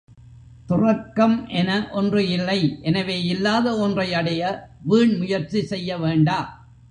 துறக்கம் என ஒன்று இல்லை, எனவே இல்லாத ஒன்றை அடைய வீண், முயற்சி செய்ய வேண்டா.